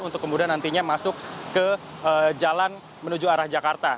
untuk kemudian nantinya masuk ke jalan menuju arah jakarta